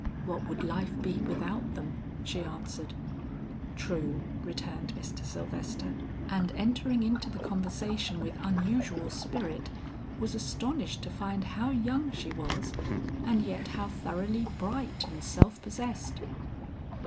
"What would life be without them?" she answered. "True," returned Mr. Sylvester; and entering into the conversation with unusual spirit, was astonished to find how young she was and yet how thoroughly bright and self possessed.